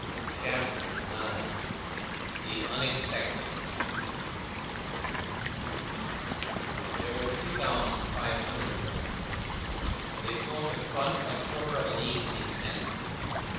CHAPTER IX—THE UNEXPECTED There were three thousand five hundred of them. They formed a front a quarter of a league in extent.